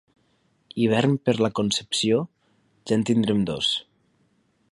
Hivern per la Concepció? Ja en tindrem dos.